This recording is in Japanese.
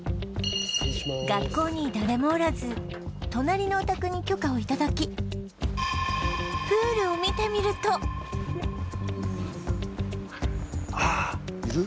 学校に誰もおらず隣のお宅に許可を頂きプールを見てみるといる？